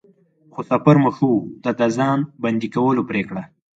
خو سفر مو ښه و، د د ځان بندی کولو پرېکړه.